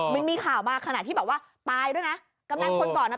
มันมีข่าวมาขณะที่แบบว่าตายด้วยนะกำนันคนก่อนอ่ะ